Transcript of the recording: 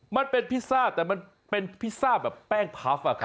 มันเป็นพิซซ่าแต่มันเป็นพิซซ่าแบบแป้งพัฟฟ์อะครับ